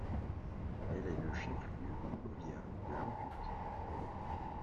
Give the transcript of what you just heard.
Elle est le chef-lieu du powiat de Łańcut.